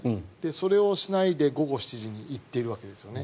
それをしないで午後７時に行ってるわけですよね。